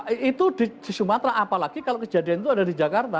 itu di sumatera apalagi kalau kejadian itu ada di jakarta